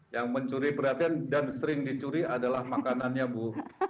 yang mencuri perhatian dan sering dicuri adalah makanannya bu